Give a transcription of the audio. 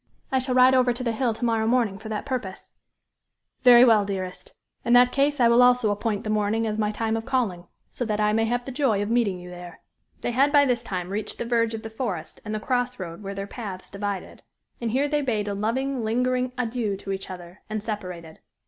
"I shall ride over to the Hill to morrow morning for that purpose." "Very well, dearest. In that case I will also appoint the morning as my time of calling; so that I may have the joy of meeting you there." They had by this time reached the verge of the forest and the cross road where their paths divided. And here they bade a loving, lingering adieu to each other, and separated.